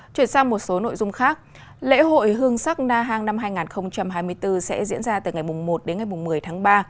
chuyển sang một số nội dung khác lễ hội hương sắc na hàng năm hai nghìn hai mươi bốn sẽ diễn ra từ ngày một đến ngày một mươi tháng ba